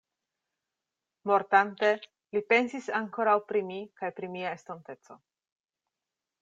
Mortante, li pensis ankoraŭ pri mi kaj pri mia estonteco.